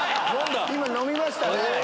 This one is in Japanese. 今のみましたね。